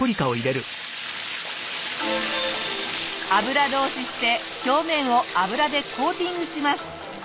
油通しして表面を油でコーティングします。